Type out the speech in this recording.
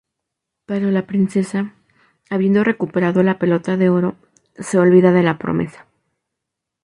Pero la princesa, habiendo recuperado la pelota de oro, se olvida de la promesa.